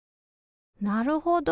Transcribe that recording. なるほど。